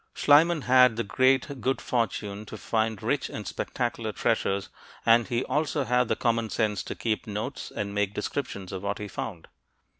Schliemann had the great good fortune to find rich and spectacular treasures, and he also had the common sense to keep notes and make descriptions of what he found.